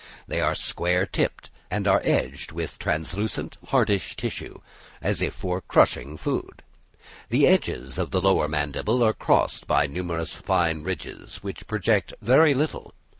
They are square topped, and are edged with translucent, hardish tissue, as if for crushing food. The edges of the lower mandible are crossed by numerous fine ridges, which project very little.